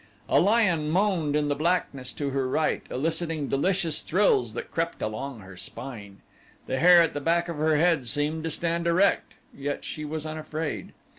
A lion moaned in the blackness to her right, eliciting delicious thrills that crept along her spine. The hair at the back of her head seemed to stand erect yet she was unafraid.